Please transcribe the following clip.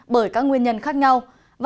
bởi các nguyên nhân khác nhau